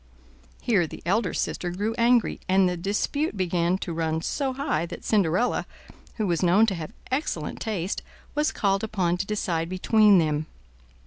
Here the elder sister grew angry, and the dispute began to run so high that Cinderella, who was known to have excellent taste, was called upon to decide between them.